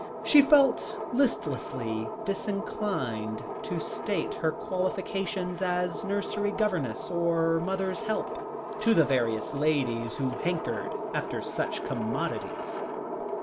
She felt listlessly disinclined to state her qualifications as nursery governess, or mother's help, to the various ladies who hankered after such commodities.